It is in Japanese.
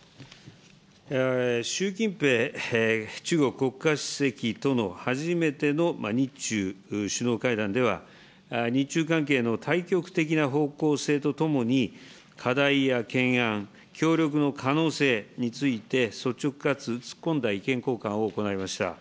習近平中国国家主席との初めての日中首脳会談では、日中関係の大局的な方向性とともに、課題や懸案、協力の可能性について、率直かつ突っ込んだ意見交換を行いました。